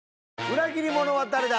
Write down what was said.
裏切り者は誰だ？